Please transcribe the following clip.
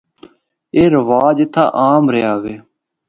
اے رواج اتھا عام رہیا وے۔